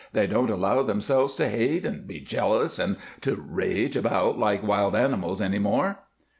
They don't allow themselves to hate, and be jealous, and to rage about like wild animals any more."